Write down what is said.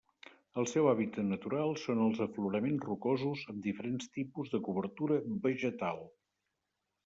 El seu hàbitat natural són els afloraments rocosos amb diferents tipus de cobertura vegetal.